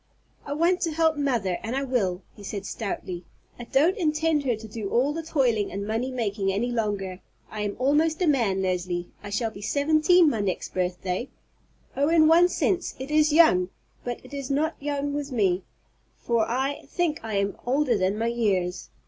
"I want to help mother, and I will," he said stoutly. "I don't intend her to do all the toiling and money making any longer. I am almost a man, Leslie; I shall be seventeen my next birthday. Oh, in one sense it is young! but it is not young with me, for I think I am older than my years.